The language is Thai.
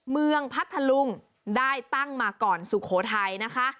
พัทธลุงได้ตั้งมาก่อนสุโขทัยนะคะ